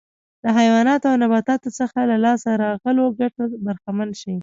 د حیواناتو او نباتاتو څخه له لاسته راغلو ګټو برخمن شي.